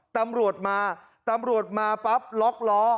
ตำรวจมาตำรวจมาปั๊บล็อกล้อ